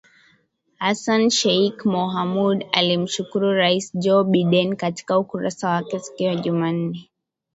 Hassan Sheikh Mohamud alimshukuru Rais Joe Biden katika ukurasa wake siku ya Jumanne